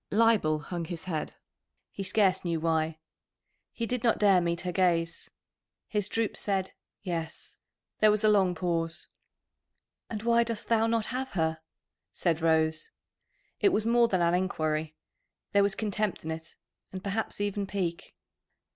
Leibel hung his head he scarce knew why. He did not dare meet her gaze. His droop said "Yes." There was a long pause. "And why dost thou not have her?" said Rose. It was more than an enquiry. There was contempt in it, and perhaps even pique.